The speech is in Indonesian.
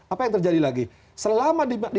apa yang terjadi lagi selama